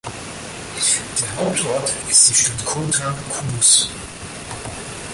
Der Hauptort ist die Stadt Kota Kudus.